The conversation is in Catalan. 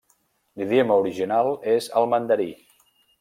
L'idioma original és el mandarí.